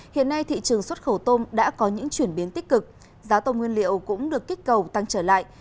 hiện nay thị trường xuất khẩu tôm đã có những chuyển biến tích cực giá tôm nguyên liệu cũng được kích cầu tăng trở lại